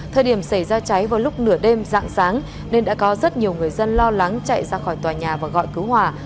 thời điểm xảy ra cháy vào lúc nửa đêm dạng sáng nên đã có rất nhiều người dân lo lắng chạy ra khỏi tòa nhà và gọi cứu hỏa